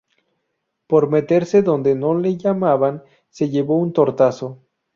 Por meterse donde no le llamaban se llevó un tortazo